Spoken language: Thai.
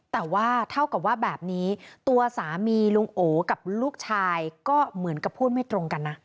แต่ว่าเท่ากับว่าแบบนี้ตัวสามีลุงโอกับลูกชายก็เหมือนกับพูดไม่ตรงกันนะ